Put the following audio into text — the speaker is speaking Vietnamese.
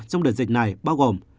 trong đợt dịch này bao gồm